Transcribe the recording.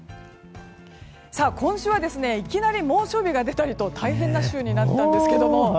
さあ、今週はいきなり猛暑日が出たりと大変な週になったんですけれども。